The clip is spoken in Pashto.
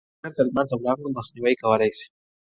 دا ټکر د لمر د وړانګو مخنیوی کولی شي.